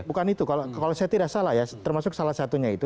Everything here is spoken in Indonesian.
bukan itu kalau saya tidak salah ya termasuk salah satunya itu